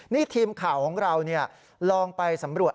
นี่ทีมข่าวของเราลองไปสำรวจ